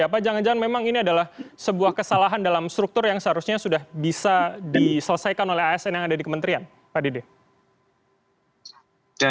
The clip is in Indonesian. apa jangan jangan memang ini adalah sebuah kesalahan dalam struktur yang seharusnya sudah bisa diselesaikan oleh asn yang ada di kementerian pak dede